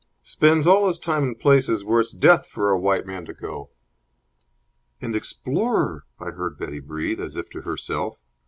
"Spends all his time in places where it's death for a white man to go." "An explorer!" I heard Betty breathe, as if to herself.